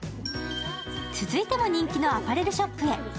続いても人気のアパレルショップへ。